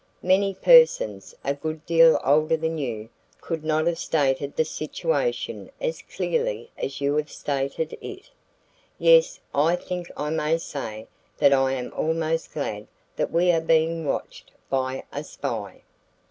"Many persons a good deal older than you could not have stated the situation as clearly as you have stated it. Yes, I think I may say that I am almost glad that we are being watched by a spy.